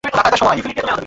এই মেয়েটা কে?